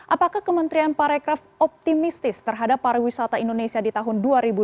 apakah kementerian parekraf optimistis terhadap pariwisata indonesia di tahun dua ribu dua puluh